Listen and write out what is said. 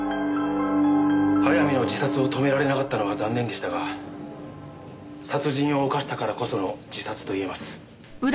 早見の自殺を止められなかったのは残念でしたが殺人を犯したからこその自殺と言えます。